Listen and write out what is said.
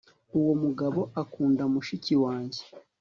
Uwo mugabo akunda mushiki wanjye